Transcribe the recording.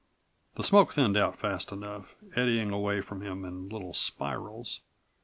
The smoke thinned out fast enough, eddying away from him in little spirals.